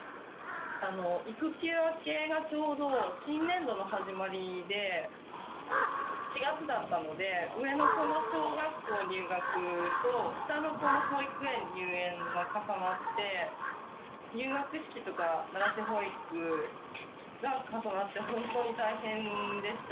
育休明けがちょうど新年度の始まりで４月だったので上の子の小学校入学と下の子の保育園入園が重なって入学式とか慣らし保育が重なって本当に大変でした。